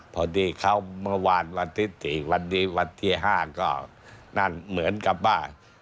พอดีเขาเมื่อวานวันที่๔วันนี้วันที่๕ก็เหมือนกับว่า